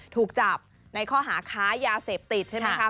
ถูกจับในข้อหาค้ายาเสพติดใช่ไหมคะ